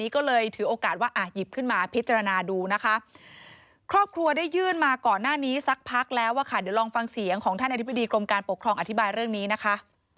ครับครัวได้ยื่นมาก่อนหน้านี้สักพักแล้วค่ะเดี๋ยวลองฟังเสียงของท่านอธิบดีกรมการปกครองอธิบายเรื่องนี้นะคะ